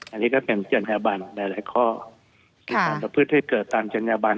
อันนี้ก็เป็นจัญญาบันหลายข้อมีการประพฤติให้เกิดตามจัญญาบัน